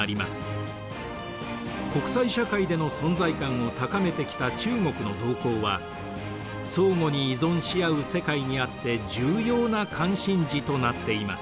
国際社会での存在感を高めてきた中国の動向は相互に依存し合う世界にあって重要な関心事となっています。